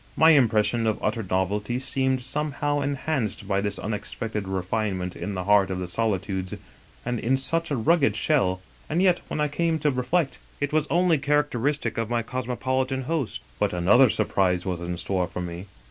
My impression of utter novelty seemed somehow en hanced by this unexpected refinement in the heart of the solitudes and in such a rugged shell, and yet, when I came to reflect, it was only characteristic of my cosmopolitan host. But another surprise was in store for me.